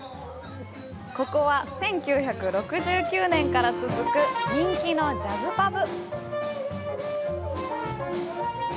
ここは１９６９年から続く人気のジャズパブ。